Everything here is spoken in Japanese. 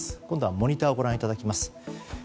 今度はモニターをご覧いただきます。